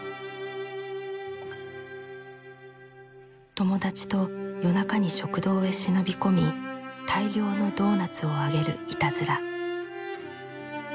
友達と夜中に食堂へ忍び込み大量のドーナツを揚げるいたずら。